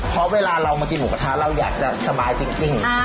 เพราะเวลาเรามากินหมูกระทะเราอยากจะสบายจริง